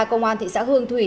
công an thị xã hương thủy